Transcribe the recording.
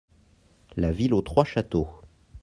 La ville aux trois châteaux.